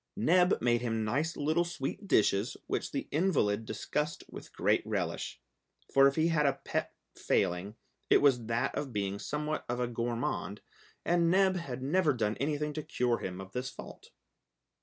Neb made him nice little sweet dishes, which the invalid discussed with great relish, for if he had a pet failing it was that of being somewhat of a gourmand, and Neb had never done anything to cure him of this fault.